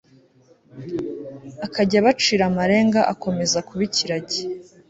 akajya abacira amarenga akomeza kuba ikiragi